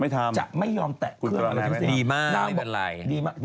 ไม่ทำจะไม่ยอมแตะเครื่อง